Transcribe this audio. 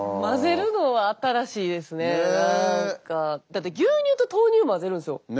だって牛乳と豆乳を混ぜるんですよ。